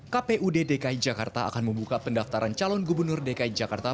kpu dki jakarta akan membuka pendaftaran calon gubernur dki jakarta